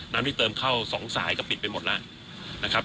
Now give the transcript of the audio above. ที่เติมเข้า๒สายก็ปิดไปหมดแล้วนะครับ